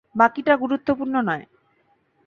বাকিটা গুরুত্বপূর্ণ নয়।